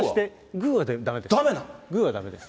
グーはだめです。